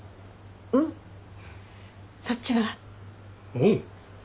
おう。